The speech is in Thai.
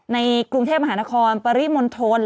ในกรุงเทพมหานครปริมนต์โทน